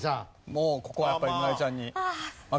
もうここはやっぱり村井ちゃんに任せます。